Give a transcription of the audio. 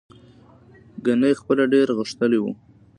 ګنې خپله ډېر غښتلی و.